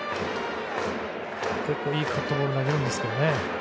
結構いいカットボール投げるんですけどね。